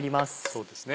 そうですね。